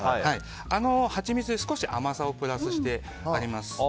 あのハチミツで少し甘さをプラスしてあります。